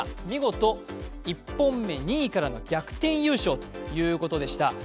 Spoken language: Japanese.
見事、１本目、２位からの逆転優勝ということでした。